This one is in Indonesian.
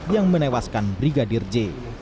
yang menewaskan brigadir j